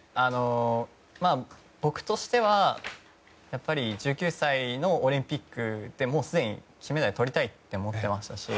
僕としては１９歳のオリンピックでもうすでに金メダルとりたいって思ってましたし。